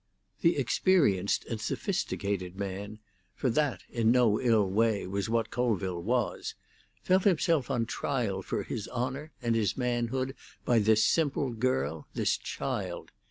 The experienced and sophisticated man—for that in no ill way was what Colville was—felt himself on trial for his honour and his manhood by this simple girl, this child.